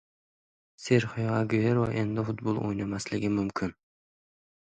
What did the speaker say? Serxio Aguero endi futbol o‘ynolmasligi mumkin